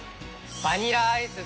バニラアイスです。